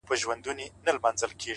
مړ مي مړوند دی-